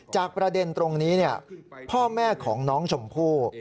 ประเด็นตรงนี้พ่อแม่ของน้องชมพู่